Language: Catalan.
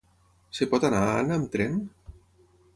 Es pot anar a Anna amb tren?